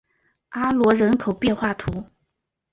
阿罗人口变化图示